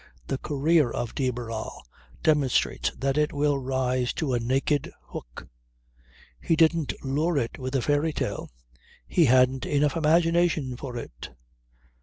The career of de Barral demonstrates that it will rise to a naked hook. He didn't lure it with a fairy tale. He hadn't enough imagination for it